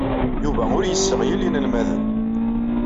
Yuba ur yesseɣyel inelmaden.